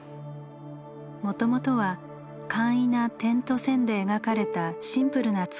もともとは簡易な点と線で描かれたシンプルな作りだったゲーム。